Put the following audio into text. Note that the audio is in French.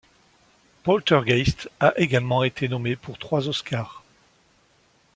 Poltergeist a également été nommé pour trois Oscars.